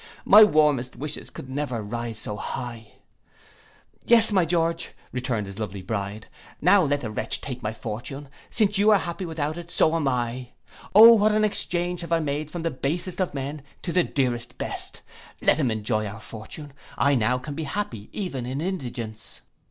My warmest wishes could never rise so high!'—'Yes, my George,' returned his lovely bride, 'now let the wretch take my fortune; since you are happy without it so am I. O what an exchange have I made from the basest of men to the dearest best!—Let him enjoy our fortune, I now can be happy even in indigence.